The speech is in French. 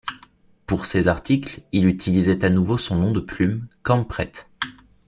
Pour ces articles, il utilisait à nouveau son nom de plume, Kampret.